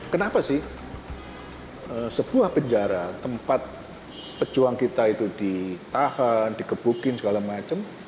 kenapa sih sebuah penjara tempat pejuang kita itu ditahan dikebukin segala macam